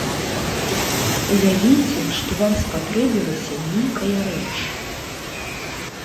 Уявіце, што вам спатрэбілася нейкая рэч.